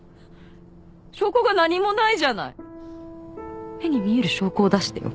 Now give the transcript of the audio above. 証拠が何もないじゃない目に見える証拠を出してよ。